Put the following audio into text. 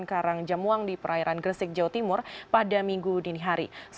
karangjamuang di perairan gresik jawa timur pada minggu dini hari